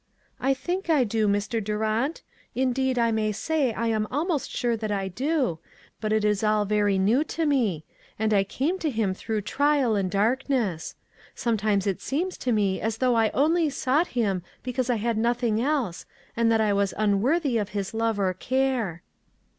" I think I do, Mr. Durant ; indeed, I may say I am almost sure that I do, but it is all very new to me ; and I came to him through trial and darkness. Sometimes it seems to me as though I only sought him because I had nothing else, and that I was unworthy of his love or care."